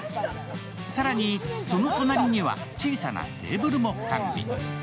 更にその隣には小さなテーブルも完備。